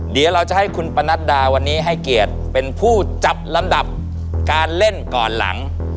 เดี๋ยวเราจะให้คุณปนัดดาวันนี้ให้เกียรติเป็นผู้จับลำดับการเล่นก่อนหลัง